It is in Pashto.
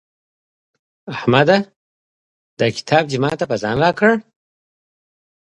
احمده دا کتاب دې ما ته په ځان راکړه.